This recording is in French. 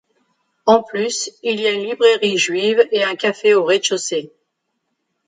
En plus il y a une libraire juive et un café au rez-de-chaussée.